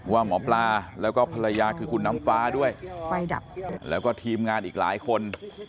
ว่าหมอปลาแล้วก็ภรรยาคือคุณน้ำฟ้าด้วยไฟดับแล้วก็ทีมงานอีกหลายคน